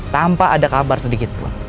tanpa ada kabar sedikitpun